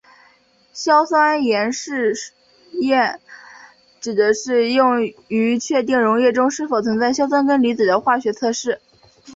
硝酸盐试验指的是用于确定溶液中是否存在硝酸根离子的化学测试。